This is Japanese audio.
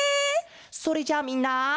それじゃあみんな。